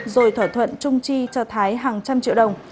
rồi thỏa thuận chung chi cho thái hàng trăm triệu đồng